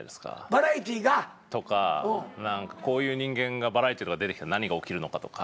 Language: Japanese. バラエティーが？とかこういう人間がバラエティー出てきたら何が起きるのかとか。